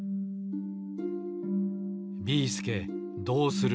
ビーすけどうする！？